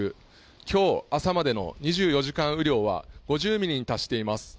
今日、朝までの２４時間雨量は５０ミリに達しています。